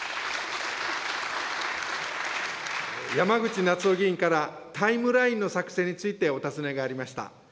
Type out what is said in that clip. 山口那津男議員からタイムラインの作成についてお尋ねがありました。